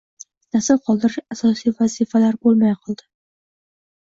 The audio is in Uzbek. Nasl qoldirish asosiy vazifalar bo’lmay qoldi.